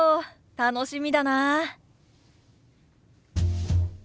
楽しみだなあ。